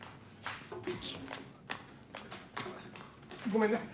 ごめんね。